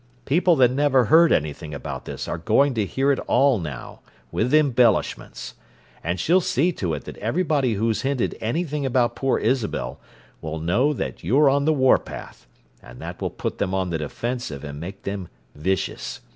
People that never heard anything about this are going to hear it all now, with embellishments. And she'll see to it that everybody who's hinted anything about poor Isabel will know that you're on the warpath; and that will put them on the defensive and make them vicious.